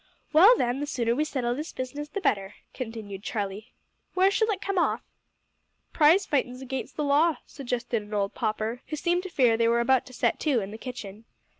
"Well, then, the sooner we settle this business the better," continued Charlie. "Where shall it come off?" "Prize fightin's agin the law," suggested an old pauper, who seemed to fear they were about to set to in the kitchen.